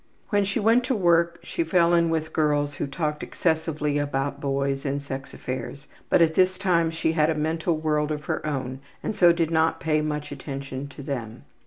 When she went to work she fell in with girls who talked excessively about boys and sex affairs, but at this time she had a mental world of her own and so did not pay much attention to them.